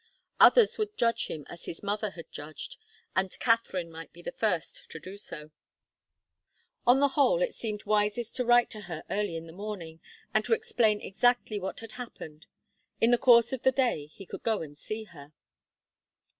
Others would judge him as his mother had judged, and Katharine might be the first to do so. On the whole, it seemed wisest to write to her early in the morning, and to explain exactly what had happened. In the course of the day he could go and see her.